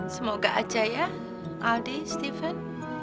semoga aja ya aldi stephen